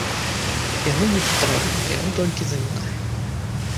Яно непатрэбна, яно толькі замінае.